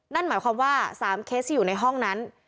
นั่นหมายความว่า๓เคสที่อยู่ในห้องนั้น